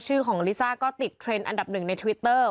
ชื่อของลิซ่าก็ติดเทรนด์อันดับหนึ่งในทวิตเตอร์